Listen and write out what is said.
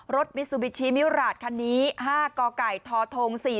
รถมิสุบิตชีมิวราชคันนี้๕กท๔๒๘๖